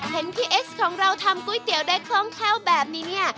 เห็นพี่เอดย์ของเราทำกุ้ยเตี๋ยวในคล่องแคร่วอย่างนี้